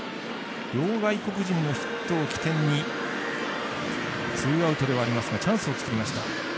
両外国人のヒットを機転にツーアウトではありますがチャンスを作りました。